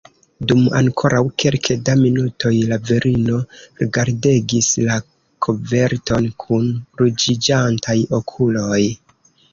Dum ankoraŭ kelke da minutoj la virino rigardegis la koverton kun ruĝiĝantaj okuloj.